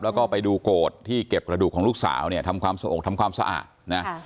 แล้วก็ไปดูโกรธที่เก็บกระดูกของลูกสาวเนี่ยทำความสะอกทำความสะอาดนะ